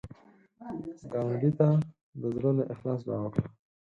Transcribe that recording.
ګاونډي ته د زړه له اخلاص دعا وکړه